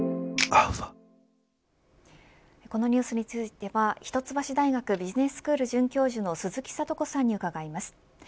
このニュースについては一橋大学ビジネススクール准教授の鈴木智子さんに伺います。